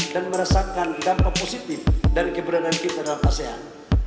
dan merasakan dampak positif dan kebenaran kita dalam asean